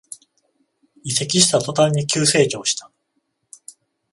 移籍した途端に急成長した